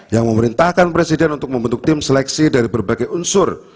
yang memerintahkan presiden untuk membentuk tim seleksi dari berbagai unsur